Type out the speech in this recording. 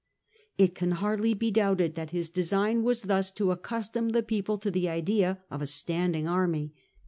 It can hardly be doubted that his display. design was thus to accustom the people to the idea of a standing army.